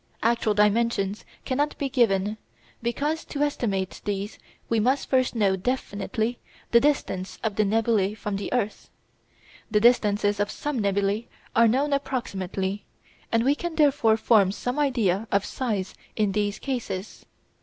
Actual dimensions cannot be given, because to estimate these we must first know definitely the distance of the nebulæ from the earth. The distances of some nebulæ are known approximately, and we can therefore form some idea of size in these cases.